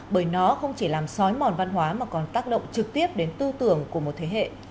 bởi nó không chỉ làm sói mòn văn hóa mà còn tác động trực tiếp đến tư tưởng của một thế hệ